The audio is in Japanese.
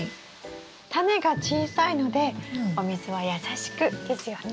タネが小さいのでお水は優しくですよね？